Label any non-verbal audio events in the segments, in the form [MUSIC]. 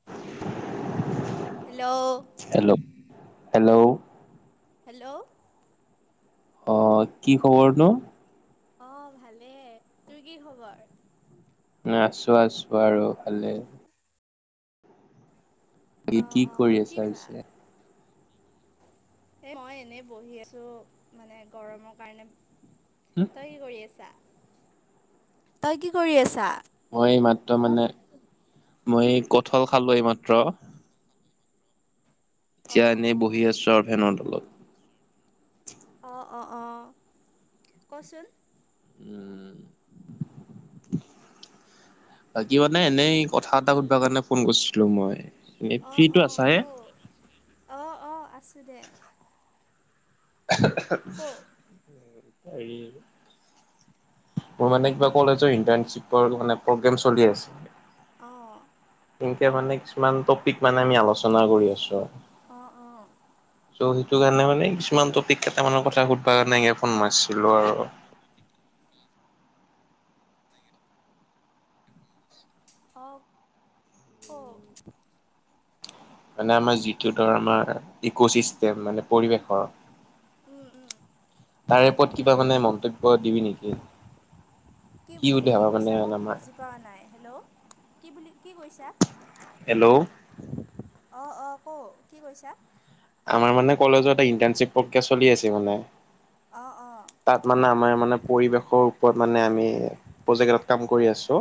[INAUDIBLE] Hello! Hello! Hello! Hello! অ', কি খবৰনো? অ', ভালে তোৰ কি খবৰ? আছোঁ, আছোঁ আৰু ভালে। এতিয়া অঁ কি অঁ কৰি আছা পিছে? এ, মই এনেই বহি আছোঁ মানে গৰমৰ কাৰণে। হুম তই কি কৰি আছা? তই কি কৰি আছা? মই এইমাত্ৰ মানে, মই কঁঠাল খালোঁ এইমাত্ৰ। এতিয়া অঁ এনেই অঁ বহি আছোঁ আৰু ফেনৰ তলত। অ', অ', অ', কচোন। উম। বাকী মানে এনেই কথা এটা সুধবা কাৰণে ফোন কৰিছিলো মই। এনে অ', ফ্ৰীটো আছা অ', হে কওঁ। অ', অ', আছোঁ দে। ক [INAUDIBLE] মোৰ মানে কিবা কলেজৰ ইনটাৰণচিপৰ মানে প্ৰব্লেম চলি আছে। অ'। এনেকে মানে কিছুমান টপিক মানে আমি আলোচনা কৰি আছো আৰু অঁ অঁ ত' সেইটো কাৰণে মানে কিছুমান টপিক কেইটামানৰ কথা সুধবা কাৰণে ফোন মাৰছিলোঁ আৰু। অ', কওঁ। মানে আমাৰ যিটো ধৰ আমাৰ ইক' ছিষ্টেম মানে পৰিৱেশৰ উম উম তাৰে ওপৰত কিবা মানে মন্তব্য দিবি নেকি? কি বুলি ভাবা মানে মানে আমাৰ পোৱা নাই, হেল্ল'! কি বুলি, কি কৈছা? হেল্ল'! অ', অ', কওঁ কি কৈছা? আমাৰ মানে কলেজত এটা ইণ্টাৰ্ণশ্বিপ প্ৰক্ৰিয়া চলি আছে মানে। অ অ। তাত মানে আমাৰ মানে পৰিৱেশৰ ওপৰত মানে আমি প্ৰজেক্টত কাম কৰি আছো।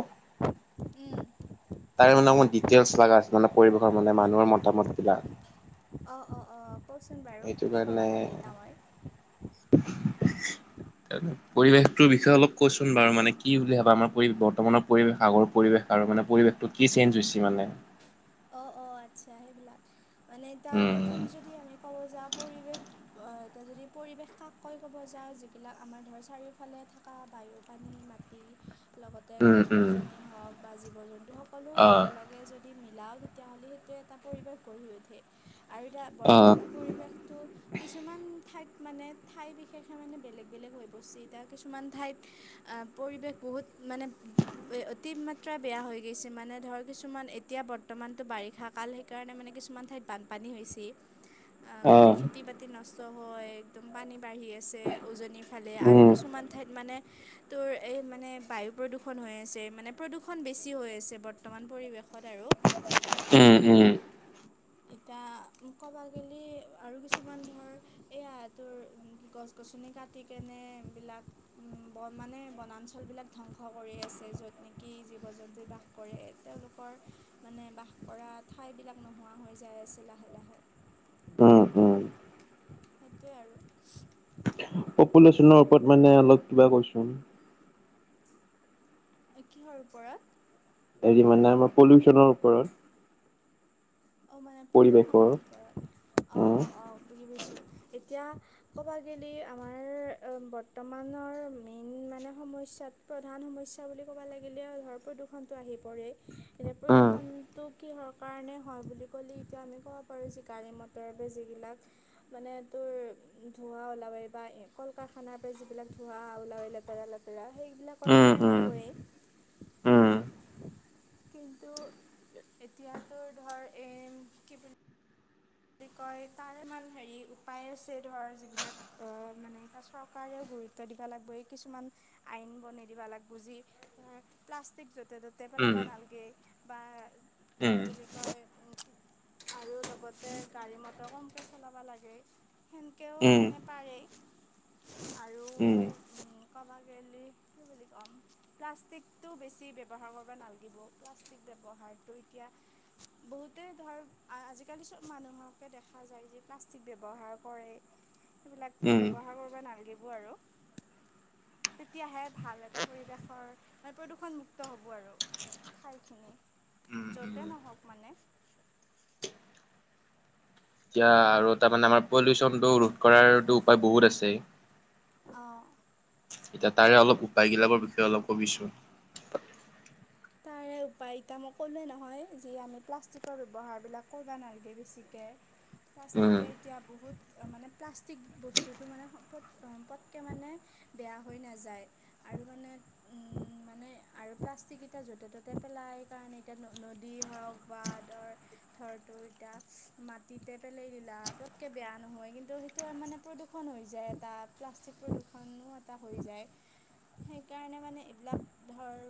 উম [UNINTELLIGIBLE] ডটেইলছ লগা আছে, মানে পৰিৱেশ মানে মানুহৰ মতামত কিবা অ অ অ কওচোন বাৰু সেইটো কি কবা কাৰণে লাগে ইতা মই? [UNINTELLIGIBLE] পৰিৱেশটোৰ বিষয়ে অলপ কচোন বাৰু মানে কি বুলি ভাবা আমাৰ পৰি বৰ্তমানৰ পৰিৱেশ, আগৰ পৰিৱেশ আৰু মানে পৰিৱেশটো কি চেঞ্জ হৈছে মানে? অ অ আচ্ছা সেইবিলাক, মানে এতিয়া উম প্ৰথম যদি আমি ক'ব যাওঁ পৰিৱেশ এতিয়া যদি পৰিৱেশ কাক কৈ ক'ব যাওঁ জিবিলাক আমাৰ ধৰক চাৰিওফালে থকা বায়ু পানী ম লগতে উম উম গছ-গছনি উম হওক বা জীৱ-জন্তু সকলো অ'। একেলগে যদি মিলাও তেতিয়াহ'লে সেইটোৱে এটা পৰিৱেশ গঢ়ি উঠে আৰু এতিয়া অ', বৰ্তমানৰ পৰিৱেশটো কিছুমান ঠাইত মানে ঠাই বিশেষে মানে বেলেগ বেলেগ হৈ পৰিছে, এতিয়া কিছুমান ঠাইত অহ পৰিৱেশ বহুত মানে অতি মাত্ৰা বেয়া হৈ গৈছে, মানে ধৰ কিছুমান এতিয়া বৰ বৰ্তমানতটো বাৰিষা কাল সেইকাৰণে মানে কিছুমান ঠাইত বানপানী হৈছে। গোটেই অ', খেতি বাতি খতি নষ্ট হয়, একদম পানী বাঢ়ি আছে উজনিৰ ফালে আৰু উম। কিছুমান ঠাইত মানে তোৰ এই মানে বায়ু প্ৰদূষণ হৈ আছে। মানে প্ৰদূষণ বেছি হৈ আছে বৰ্তমান পৰিৱেশ ত আৰু। উম উম। এতিয়া ক'ব গেলি আৰু কিছুমান ধৰ এইয়া তোৰ গছ-গছনি কাটি কেনে এইবিলাক ব মানে বনাঞ্চলবিলাক ধ্বংস কৰি আছে, য'ত নেকি জীৱ-জন্তু বাস কৰে। তেওঁলোকৰ মানে বাস কৰা ঠাইবিলাক নোহোৱা হৈ যায় আছে লাহে লাহে। উম, উম, সেইটোৱে আৰু। পলিউশনৰ ওপৰত মানে অলপ কিবা কচোন। কিহৰ ওপৰত? হেৰি মানে আমাৰ পলিউচনৰ ওপৰত। অ মানে প্ৰদূষণৰ পৰিৱেশৰ ওপৰত। অ উম, অ অ বুজি পাইছো। এতিয়া ক'ব গ'লে আমাৰ বৰ্তমানৰ মেইন মানে সমস্যাত প্ৰধান সমস্যা বুলি ক'ব লাগিলে ধৰ প্ৰদূষণটো আহি পৰে। এনে উম। প্ৰদূষণ টো কিহৰ কাৰণে হয় বুলি ক'লি এতিয়া আমি ক'ব পাৰোঁ যে গাড়ী-মটৰ বা জিবিলাক মানে তোৰ ধোঁৱা ওলাৱায় বা কল কাৰখানাৰ পৰা যিবিলাক ধোঁৱা ওলে লেতেৰা লেতেৰা সেইবিলাক ক উম, কাৰণে উম, হৈ। [INAUDIBLE] কিন্তু এতিয়াতো ধৰ এম কি বুলি বুলি কয় তাৰ ইমান হেৰি উপায় আছে ধৰ যিবিলাক অহ মানে এয়া চৰকাৰেও গুৰুত্ব দিব লাগিব এই কিছুমান আইন বনাই দিব লাগব যি প্লাষ্টিক য'তে ত'তে পেলাবা উম, নালগে, বা উম। কি উম, বুলি কয় আৰু লগতে গাড়ী-মটৰ কমকে চলাব লাগে, সেনেকৈও মানে পাৰে। আৰু উম, উ কবাকেলি কি বুলি কম প্লাষ্টিকটো বেছি ব্যৱহাৰ কৰিব নালাগিব, প্লাষ্টিক ব্যৱহাৰটো এতিয়া বহুতে ধৰ আজিকালি চব মানুহৰ দেখা যায় যে প্লাষ্টিক ব্যৱহাৰ কৰে। সেইবিলাক উম। ব্যৱহাৰ কৰো নালাগিব আৰু। [INAUDIBLE] তেতিয়াহে ভাল এটা পৰিৱেশৰ মানে প্ৰদূষণমুক্ত হ'ব আৰু। ঠাইখিনি উম, য'তে উম, নহওক মানে এতিয়া আৰু তাৰমানে আমাৰ পলিউচনটো ৰোধ কৰাৰতো উপায় বহুত আছে। অ'। এতিয়া তাৰে অলপ উপায়গিলাকৰ বিষয়ে অলপ কবিছো। [INAUDIBLE] প, এতয়া মই ক'লোৱে নহয় যে আমি প্লাষ্টিকৰ ব্যৱহাৰবিলাক কৰিবা নালাগে বেছিকে। উম, প্লাষ্টিকে এতিয়া বহুত মানে প্লাষ্টিক বস্তুটো মানে পট, পটকৈ মানে বেয়া হৈ নাযায় আৰু মানে উম, মানে আৰু প্লাষ্টিক এতিয়া য'তে, ত'তে পেলাই কাৰণে এতিয়া নদী হওক বা ধৰ থৰটো এতিয়া মাটিতে পেলাই দিলা পতকে বেয়া নহয় কিন্তু। ত, মানে প্ৰদূষণ হৈ যায় এটা প্লাষ্টিক প্ৰদূৰষণো এটা হৈ যায়। সেইকাৰণে মানে এইবিলাক ধৰ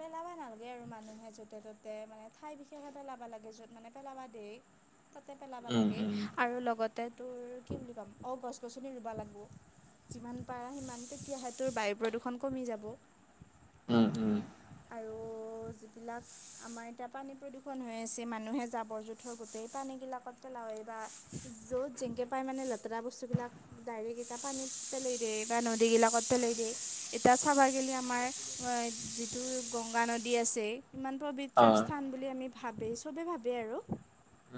পেলাবা নালাগে আৰু মানুহে য'তে, ত'তে মানে ঠাই বিশেষে পেলাবা লাগে য'ত মানে পেলাবা দেই। তাতে পেলাবা উম, লাগে উম। আৰু লগতে তোৰ কি বুলি কাম অ, গছ-গছনি ৰুবা লাগিব। যিমান পাৰা সিমান তেতিয়াহ তোৰ বায়ু প্ৰদূষণ কমি যাব। উম, উম। আৰু এইবিলাক আমাৰ এতিয়া পানী প্ৰদূষণ হৈ আছে মানুহে জাবৰ-জোঁথৰ গোটেই পানীবিলাক য'ত যেনেকৈ পায় মানে লেতেৰা বস্তুবিলাক ডাইৰেক্ট এটা পানীত পেলাই দিয়ে বা নদীবিলাকত পেলাই দিয়ে। এতিয়া চাবা গেলি আমাৰ যিটো গংগা নদী আছে ইমান পবিত্ৰ অ', স্থান বুলি আমি ভাবে, চবে ভাবে আৰু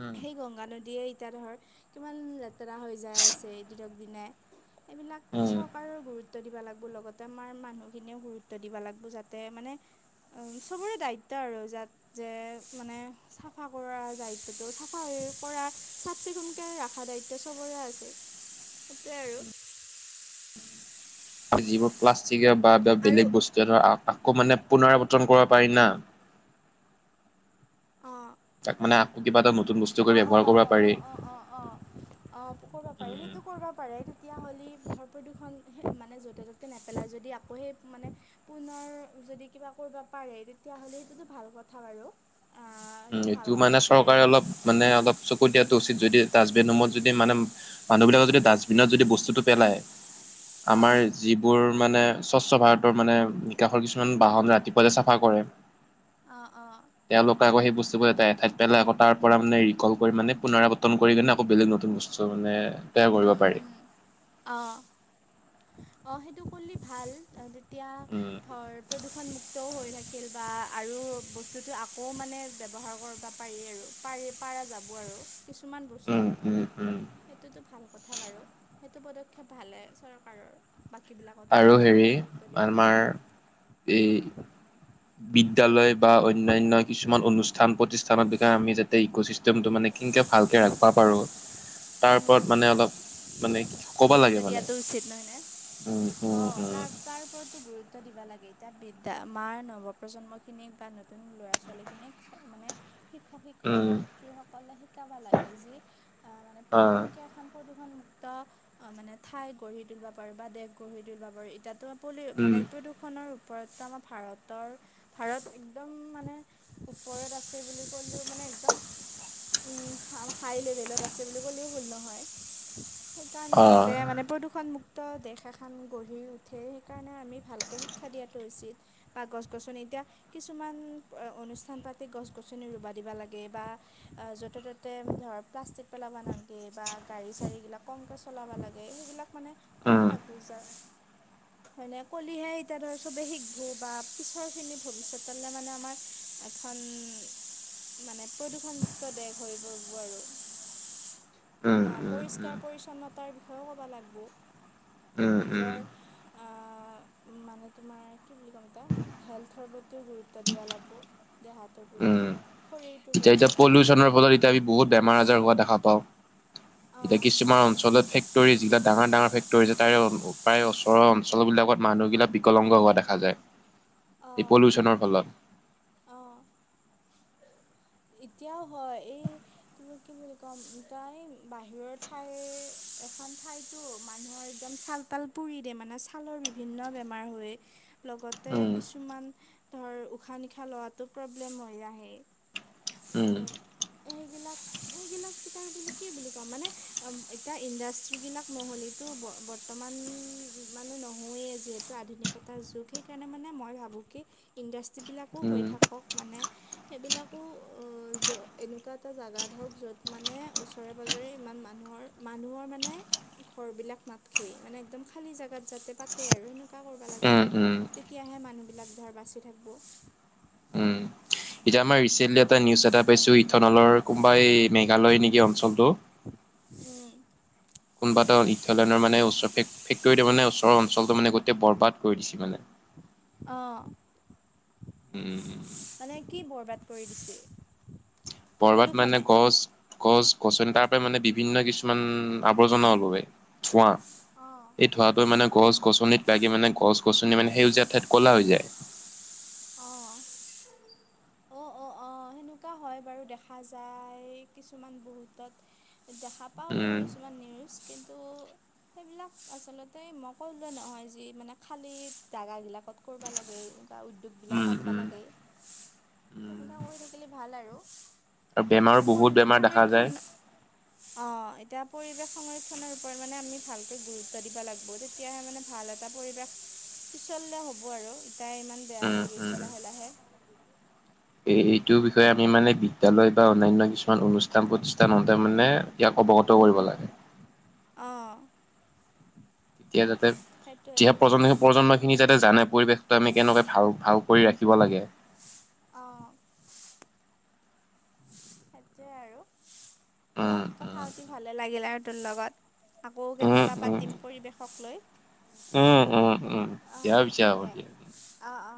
উম, সেই গংগা নদীয়ে এতিয়া ধৰ কিমান লেতেৰা হৈ যায় আছে দিনক দিনে এইবিলাক উম। চৰকাৰৰ গুৰুত্ব গুৰুত্ব দিবা লাগিব লগতে আমাৰ মানুহখিনিয়ও গুৰুত্ব দিবা লাগিব যাতে মানে চবৰে দায়িত্ব আৰু যাতে মানে চাফা কৰাৰ দায়িত্বটো চাফা হৈ কৰা চাফ চিকুণকৈ ৰখা দায়িত্ব চবৰে আছে। সেইটোৱে আৰু যিবোৰ প্লাষ্টিকে বা আৰু বেলেগ বস্তু ধৰ আকৌ মানে পুনৰাবৰ্তন কৰিব পাৰি না। অ'। তাক মানে আকৌ কিবা এটা নতুন বস্তু কৰি অ', অ', ব্যৱহাৰ কৰিব অ', পাৰি। অ', অ', অ'। অ' কৰিব পাৰে উম, সেইটো কৰিব পাৰে, তেতিয়া হ'লি ধৰ প্ৰদূষণ মানে য'তে, ত'তে নেপেলাই যদি আকৌ সেই মানে পুনৰ যদি কিবা কৰিব পাৰে তেতিয়াহ'লে সেইটোতো ভাল কথা বাৰু। উ, ভাল এইটো মানে কামতে চৰকাৰে আহিব অলপ মানে অলপ চকু দিয়াটো উচিত যদি ডাষ্টবিন সমূহত যদি মানে মানুহ বিলাকৰ যদি ডাষ্টবিনত যদি বস্তুটো পেলাই আমাৰ অ', যিবোৰ মানে স্বচ্ছ ভাৰতৰ মানে নিকাশৰ কিছুমান বাহন ৰাতিপুৱা চাফা কৰে। অ', অ'। তেওঁলোক আকৌ সেই বস্তু এঠাইত পেলাই আকৌ তাৰ পৰা মে ৰি কৰি মানে পুনৰাবৰ্তন কৰিনে আকৌ বেলেগ নতুন বস্তু মানে কৰিব উম, পাৰি। উম, অ', অ', সেইটো কৰিলে ভাল তেতিয়া উম। ধৰ প্ৰদূষণ মুুক্তও হৈ থাকিল বা আৰু বস্তুটো আকৌ মানে ব্যৱহাৰ কৰিবা পাৰি আৰু পাৰা যাব আৰু কিছুমান বস্তু উম, উম, উম। সেইটোতো ভাল কথা বাৰু সেইটো পদক্ষেপ ভালে চৰকাৰৰ বাকী বিলাকতো আৰু এনেকুৱা হেৰি গুৰুত্ব দিব আমাৰ লাগে। এই বিদ্যালয় বা অন্যান্য কিছুমান অনুষ্ঠান-প্ৰতিষ্ঠানৰ বিষয়ে আমি যাতে ইক চিষ্টেম কেনকে ভালকে ৰাখবা পাৰোঁ, তাৰ ওপৰত মানে অলপ মানে ক'ব গুৰুত্ব লাগে মানে দিয়াতটো উচিত নহয় নে উম অ, উম উম তাৰ-তাৰ ওপৰতো গুৰুত গুৰুত্ব দিব লাগে, এতিয়া বিদ্যা মাৰ নৱ প্ৰজন্মখিনিক বা নতুন ল'ৰা ছোৱালীখিনিক মানে উম শিক্ষক-শিক্ষয়িত্ৰীসকলে শিকাব লাগে যি, মানে অ প্ৰকেংকা এখন প্ৰদূষণমুক্ত অ, মানে ঠাই গঢ়ি তুলিব পাৰো বা দেশ গঢ়ি তুলিব পাৰো। এতিয়া, উম মানে প্ৰদূষণৰ ওপৰতো আমাৰ ভাৰতৰ ভাৰত একদম মানে ওপৰত আছে বুলি ক'লেও মানে একদম হাই লেভেলত আছে বুলি ক'লেও ভুল নহয়, সেইকাৰ অ তাতে মানে প্ৰদূষণ মুক্ত মুক্ত দেশ এখন গঢ়ি উঠে, সেইকাৰণে আমি ভালকৈ শিক্ষা দিয়াটো উচিত। বা গছ-গছনি এতিয়া কিছুমান অনুষ্ঠান পাতি গছ-গছনি ৰুবা দিবা লাগে, বা য'তে-ত'তে ধৰ, প্লাষ্টিক পেলাব নালগে বা গাড়ী-চাড়ী গিলাক কমকে চলাবা লাগে, সেইবিলাক মানে ক'বা উম লাগবো যা হয়নে কলিহে এতিয়া ধৰ চবে শিকবো বা পিছৰ খিনি ভৱিষ্যতলে মানে আমাৰ এখন, মানে প্ৰদূষণমুক্ত দেশ হৈ পৰিব আৰু উম বা উম পৰিষ্কাৰ পৰিচ্ছন্নতাৰ বিষয়েও ক'বা লাগব। উম, উম, মানে তোমাৰ কি বুলি ক'ম এতিয়া, হেল্থৰ প্ৰতিও গুৰুত্ব দিবা লাগব। দেহটোৰ প্ৰতি। শৰীৰটোৰ প্ৰতি এতিয়া-এতিয়া পলিউচনৰ ফলত এতিয়া আমি বহুত বেমাৰ-আজাৰ হোৱা দেখা পাওঁ। এতিয়া অঁ কিছুমান অঞ্চলত ফেক ফেক্টৰী যি বিলাক ডাঙৰ ডাঙৰ ফেক্টৰী তাৰে প্ৰায় ওচৰ অঞ্চলবিলাকত মানুহবিলাক বিকলাংগ হোৱা দেখা যায়। এই পলিউচন ফলত। অ, এতিয়াও হয়, এই কি কি বুলি কম তাই বাহিৰৰ ঠাই, এখন ঠাইতো মানুহৰ একদম ছাল তাল পুৰি দিয়ে, মানে ছালৰ বিভিন্ন বেমাৰ হৈয়ে লগতে উম কিছুমান ধৰ উশাহ-নিশাহ লোৱাতো প্ৰব্লেম হৈ আহে। উম, সেইবিলাক-এইবিলাক কিতাপ বুলি কি বুলি কম, মানে? এতিয়া ইণ্ডাষ্ট্ৰি সেইবিলাক নহ'লেতো ব-বৰ্তমান মানে নহয়ই, যিহেতু আধুনিকতাৰ যুগ সেই সেইকাৰণে মানে মই ভাবোঁ কি ইণ্ডাষ্ট্ৰবিলাকো হৈ উম থাকক মানে সেইবিলাক [INAUDIBLE] এনেকুৱা এটা জেগাত হক, য'ত মানে ওচৰে পাঁজৰে ইমান মানুহৰ-মানুহৰ মানে ঘৰবিলাক নাথকে, মানে একদম খালী জাগাত যাতে পাতে আৰু, সেনেকোৱা কৰিবা লাগে। উম উম তেতিয়াহে মানুহবিলাক ধৰ বাচি থাক'ব। উম এতিয়া আমাৰ ৰিচেণ্টলি এটা নিউজ এটা পাইছোঁ ইথানলৰ কোনোবাই মেঘালয়, নেকি অঞ্চলটো। উম, কোনোবা এটা ইথান'লৰ মানে ওচৰ মানে ওচৰ অঞ্চলটো মানে গোটেই বৰবাদ কৰি দিছে মানে। অ, উম, মানে কি বৰবাদ কৰি দিছে? বৰবাত মানে প্ৰদূষণে। গছ গছ-গছনি তাৰ পৰা মানে বিভিন্ন কিছুমান আৱৰ্জনা ওলাই, ধোৱা। অ, সেই ধোৱাটো অ', মানে অ', গছ-গছনিত লাগি মানে, গছ গছনি মানে সেউজীয়া ঠাইত ক'লা হৈ যায়। অ, অ', অ, অ, সেনেকোৱা হয় বাৰু, দেখা যায় কিছুমান বহুতত দেখা পাওঁ বাৰু উম কিছুমান নিউজ কিন্তু সেইবিলাক আচলতে মই কলোৱে নহয় যি মানে খালী জাগাবিলাকত কৰিব লাগে এনেকুৱা দুখবিলাক উম পাতবা উম লাগে উম তেনেকুৱা কৰি থাকিলে ভাল আৰু। আৰু বেমাৰো মানে বহুত পৰিৱেশ বেমাৰ দেখা যায় সংৰক্ষণ অ এতিয়া পৰিৱেশ সংৰক্ষণৰ ওপৰত মানে আমি ভালকে গুৰুত্ব দিব লাগব তেতিয়াহে মানে ভাল এটা পৰিৱেশ পিছলে হ'ব আৰু এতিয়া ইমান বেয়া উম হৈ গৈছে লাহে লাহে। এ এইটোৰ বিষয়ে আমি মানে বিদ্যালয় বা অন্যান্য কিছুমান অনুষ্ঠান অনুষ্ঠান-প্ৰতিষ্ঠানতে মানে ইয়াক অৱগত কৰিব লাগে। অ। তেতিয়া যাতে উঠি অহা সেইটোৱেতো প্ৰজন্ময়ে প্ৰজন্মখিনি যাতে জানে পৰিৱেশটো আমি কেনেকৈ ভাল ভাল কৰি ৰাখিব লাগে। অ। সেইটোৱে আৰু দে উম উম কথা পাতি ভালে লাগিলে আৰু তোৰ লগত। আকৌ উম কেতিয়াবা উম পাতিম পৰিৱেশক লৈ। উম উম উম অ দিয়া অ পিছে হ'ব দে দিয়া অ অ।